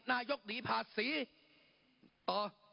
นายกหนีภาษีต่อ